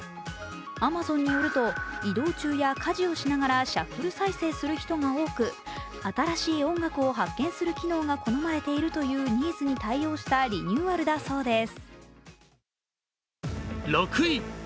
アマゾンによると、移動中や家事をしながらシャッフル再生する人が多く新しい音楽を発見する機能が好まれているというニーズに対応したリニューアルだそうです。